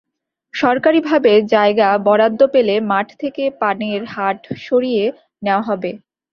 সরকারিভাবে জায়গা বরাদ্দ পেলে মাঠ থেকে পানের হাট সরিয়ে নেওয়া হবে।